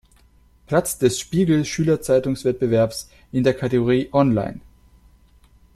Platz des Spiegel-Schülerzeitungswettbewerb in der Kategorie Online.